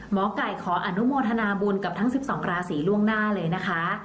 หมอไก่ขออนุโมทนาบุญกับทั้ง๑๒ราศีล่วงหน้าเลยนะคะ